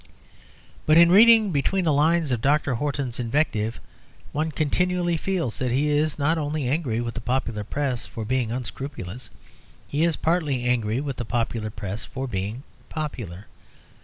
But in reading between the lines of Dr. Horton's invective one continually feels that he is not only angry with the popular Press for being unscrupulous: he is partly angry with the popular Press for being popular.